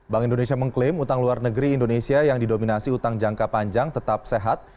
bank indonesia mengklaim utang luar negeri indonesia yang didominasi utang jangka panjang tetap sehat